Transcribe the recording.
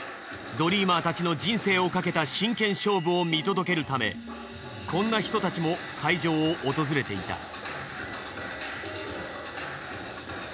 ドリーマーたちの人生をかけた真剣勝負を見届けるためこんな人たちも会場を訪れていた。